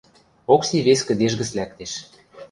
Окси вес кӹдеж гӹц лӓктеш.